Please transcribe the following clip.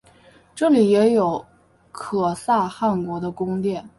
这里也有可萨汗国的宫殿。